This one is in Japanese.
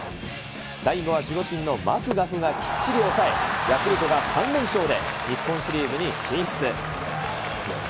最後は守護神のマクガフがきっちり抑え、ヤクルトが３連勝で、日本シリーズに進出。